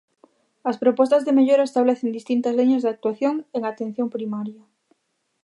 As propostas de mellora establecen distintas liñas de actuación en atención primaria.